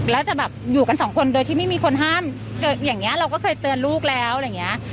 แล้วจะแบบอยู่กันสองคนโดยที่ไม่มีคนห้ามอย่างนี้เราก็เคยเตือนลูกแล้วอะไรอย่างนี้